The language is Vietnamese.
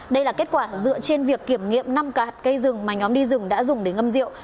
đây là kết quả dựa trên việc kiểm nghiệm năm gạt cây rừng mà nhóm đi rừng đã dùng để ngâm rượu